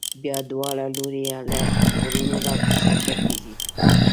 بیا دواړه لوري له غرونو را کښته کېږي.